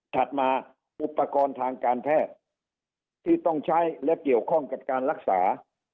มาอุปกรณ์ทางการแพทย์ที่ต้องใช้และเกี่ยวข้องกับการรักษา